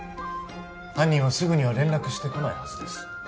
犯人はすぐには連絡してこないはずです